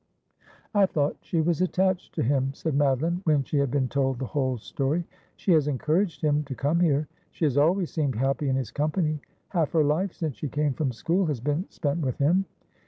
' I thought she was attached to him,' said Madoline, when she had been told the whole story. ' She has encouraged him to come here ; she has always seemed happy in his company. Half her life, since she came from school, has been spent with him.'